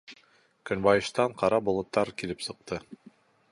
Көнбайыштан ҡара болоттар килеп сыҡты.